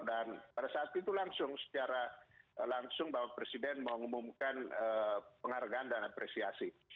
dan pada saat itu langsung secara langsung bapak presiden mengumumkan penghargaan dan apresiasi